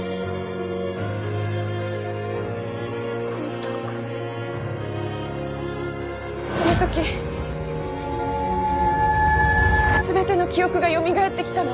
昊汰君そのときすべての記憶がよみがえってきたの。